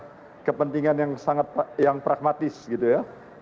ada kepentingan yang sangat pragmatis gitu ya